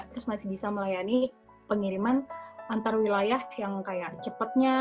terus masih bisa melayani pengiriman antar wilayah yang kayak cepetnya